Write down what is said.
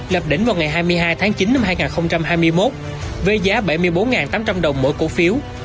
lập đỉnh vào ngày hai mươi hai tháng chín năm hai nghìn hai mươi một với giá bảy mươi bốn tám trăm linh đồng mỗi cổ phiếu